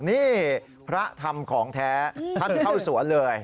นี่พระทำของแท้ท่านเข้าสวนเลย